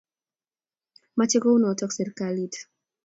Mache kounotok serkalit